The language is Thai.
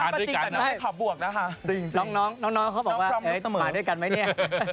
น้องก็จริงกันด้วยขาบวกนะคะจริงน้องเค้าบอกว่ามาด้วยกันไหมเนี่ย